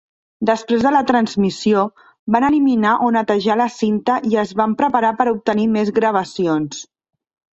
Després de la transmissió, van eliminar o netejar la cinta i es van preparar per obtenir més gravacions.